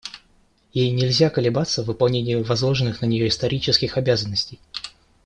Ей нельзя колебаться в выполнении возложенных на нее исторических обязанностей.